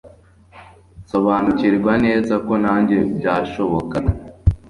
nsobanukirwa neza ko nanjye byashobokaga